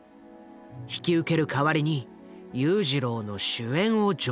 引き受ける代わりに裕次郎の主演を条件にする。